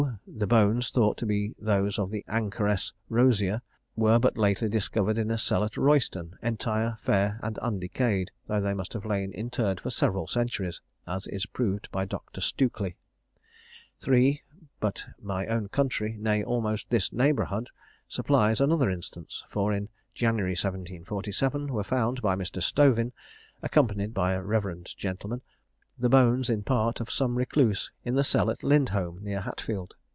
The bones thought to be those of the anchoress Rosia were but lately discovered in a cell at Royston, entire, fair, and undecayed, though they must have lain interred for several centuries; as is proved by Dr. Stukely. "3. But my own country nay, almost this neighbourhood supplies another instance; for in January 1747, were found, by Mr. Stovin, accompanied by a reverend gentleman, the bones, in part, of some recluse, in the cell at Lindholm, near Hatfield.